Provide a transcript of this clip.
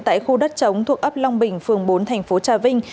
tại khu đất chống thuộc ấp long bình phường bốn thành phố trà vinh